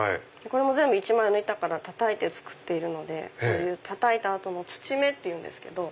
これも全部一枚の板からたたいて作っているのでこういうたたいた後のつち目っていうんですけど。